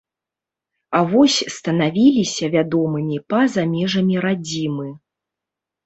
А вось станавіліся вядомымі па-за межамі радзімы.